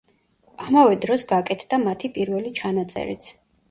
ამავე დროს გაკეთდა მათი პირველი ჩანაწერიც.